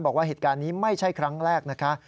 บอกว่าเหตุการณ์นี้ไม่ใช่ครั้งแรกนะคะ